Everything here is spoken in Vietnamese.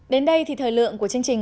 đến đây thì thời lượng của chương trình